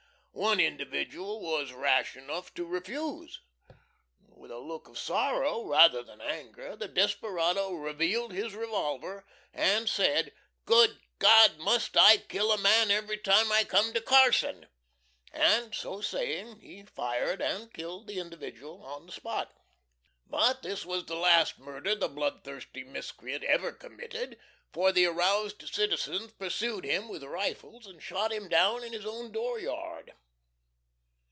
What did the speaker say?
One individual was rash enough to refuse. With a look of sorrow rather than anger the desperado revealed his revolver, and said, "Good God! MUST I kill a man every time I come to Carson?" and so saying he fired and killed the individual on the spot. But this was the last murder the bloodthirsty miscreant ever committed, for the aroused citizens pursued him with rifles and shot him down in his own dooryard.